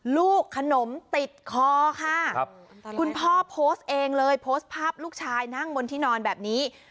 ลูกขนมติดคอค่ะคุณพ่อโพสต์เองเลยโพสต์ภาพลูกชายนั่งบนที่นอนแบบนี้